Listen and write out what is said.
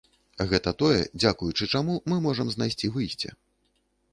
Гэта тое, дзякуючы чаму мы можам знайсці выйсце.